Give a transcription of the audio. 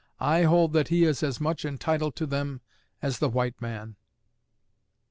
_I hold that he is as much entitled to them as the white man.